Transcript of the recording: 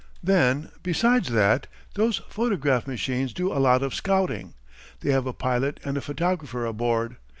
Then, besides that, those photograph machines do a lot of scouting. They have a pilot and a photographer aboard.